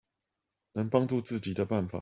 能幫助自己的辦法